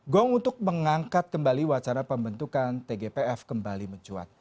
gong untuk mengangkat kembali wacana pembentukan tgpf kembali mencuat